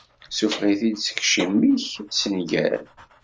Ssufeɣ-it-id seg yiciwi-k, ssenger!